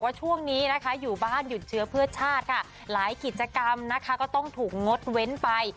ช่วงนี้นะคะอยู่บ้านหยุดเชื้อเพื่อชาติค่ะหลายกิจกรรมนะคะก็ต้องถูกงดเว้นไป